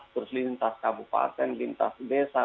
terus lintas kabupaten lintas desa